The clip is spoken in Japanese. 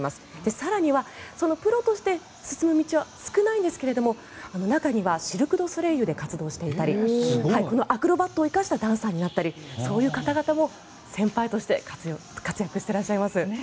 更にはプロとして進む道は少ないですが中にはシルク・ドゥ・ソレイユで活動していたりアクロバットを生かしたダンサーになったりそういう方々も先輩として活躍していらっしゃいます。